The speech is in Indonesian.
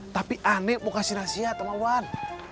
tapi aneh mau kasih nasihat sama wan